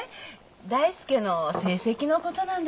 大介の成績のことなんですが。